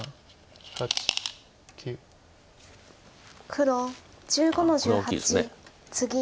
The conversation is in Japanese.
黒１５の十八ツギ。